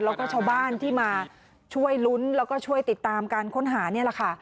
แล้วก็ชาวบ้านที่มาช่วยลุ้นแล้วก็ช่วยติดตามการค้นหานี่แหละค่ะ